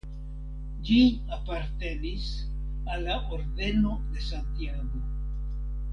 Ĝi apartenis al la Ordeno de Santiago.